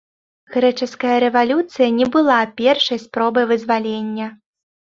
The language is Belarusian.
Грэчаская рэвалюцыя не была першай спробай вызвалення.